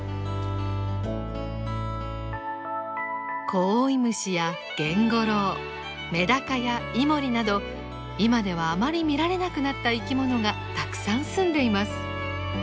コオイムシやゲンゴロウメダカやイモリなど今ではあまり見られなくなった生き物がたくさん住んでいます。